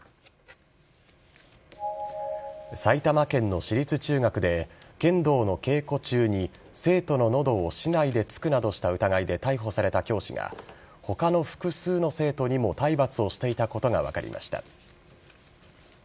埼玉県の私立中学で剣道の稽古中に生徒の喉を竹刀で突くなどした疑いで逮捕された教師が他の複数の生徒にも体罰をしていたことが分かりました。